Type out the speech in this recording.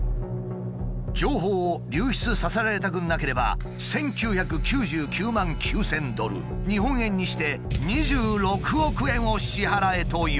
情報を流出させられたくなければ１，９９９万９，０００ドル日本円にして２６億円を支払えと要求してきた。